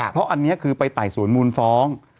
เพราะอันนี้คือไปไต่สวนมูลฟ้อง